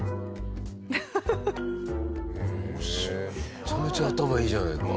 めちゃめちゃ頭いいじゃないか。